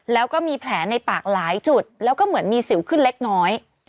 แล้วก็มีแผลในปากหลายจุดแล้วก็เหมือนมีสิวขึ้นเล็กน้อย